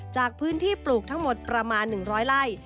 จากพื้นที่ปลูกทั้งหมดประมาณ๑๐๐ไร่